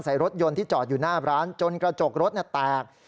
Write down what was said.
รถยนต์ที่จอดอยู่หน้าร้านจนกระจกรถแตก